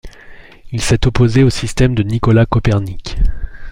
Il s'est opposé au système de Nicolas Copernic.